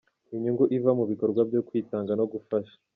Inyungu iva mu bikorwa byo kwitanga no gufasha .